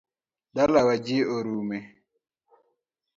Dalawa ji orume